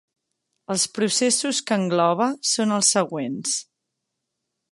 Els processos que engloba són els següents.